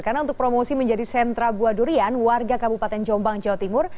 karena untuk promosi menjadi sentra buah durian warga kabupaten jombang jawa timur